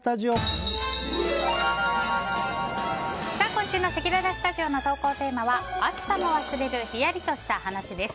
今週のせきららスタジオの投稿テーマは暑さも忘れるヒヤリとした話です。